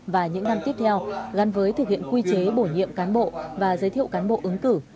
và những năm tiếp theo gắn với thực hiện quy chế bổ nhiệm cán bộ và giới thiệu cán bộ ứng cử